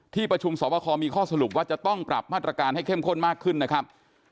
ที่ประชุมสอบคอมีข้อสรุปว่าจะต้องปรับมาตรการให้เข้มข้นมากขึ้นนะครับ